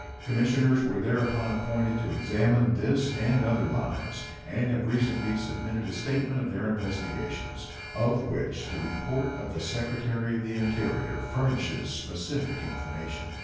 Commissioners were thereupon appointed to examine this and other lines, and have recently submitted a statement of their investigations, of which the report of the Secretary of the Interior furnishes specific information.